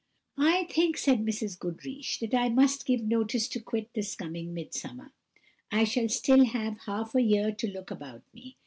"I think," said Mrs. Goodriche, "that I must give notice to quit this coming Midsummer. I shall still have half a year to look about me.